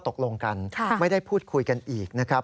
สุดท้ายก็เลยอย่างนี้ไงไม่ได้ข้อตกลงกันไม่ได้พูดคุยกันอีกนะครับ